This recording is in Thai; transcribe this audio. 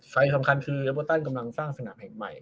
ส่วนสำคัญคือตานกำลังสร้างสถานะใหม่ใหม่